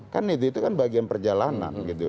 kan itu kan bagian perjalanan gitu